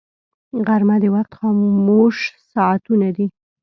غرمه د وخت خاموش ساعتونه دي